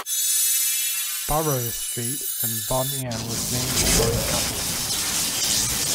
Burroughs Street in Bon Air was named for the couple.